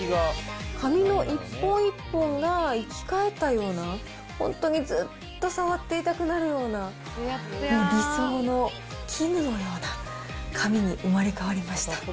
髪の一本一本が生き返ったような、本当にずっと触っていたくなるような、理想の絹のような髪に生まれ変わりました。